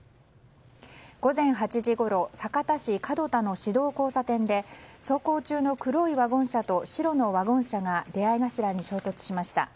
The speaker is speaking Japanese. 午前８時ごろ、酒田市門田の市道交差点で走行中の黒いワゴン車と白いワゴン車が出合い頭に衝突しました。